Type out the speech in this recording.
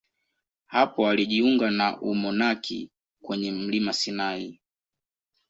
Hapo alijiunga na umonaki kwenye mlima Sinai.